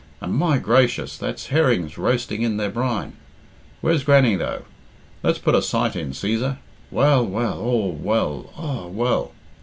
And, my gracious, that's herrings roasting in their brine! Where's Grannie, though? Let's put a sight in, Cæsar. Well, well, aw well, aw well!"